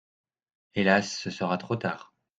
Hélas ! ce sera trop tard.